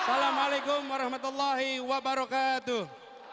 assalamu'alaikum warahmatullahi wabarakatuh